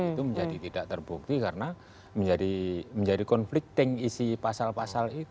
itu menjadi tidak terbukti karena menjadi conflicting isi pasal pasal itu